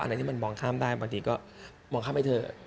อะไรที่มันมองข้ามได้บางทีก็มองข้ามไปเถอะ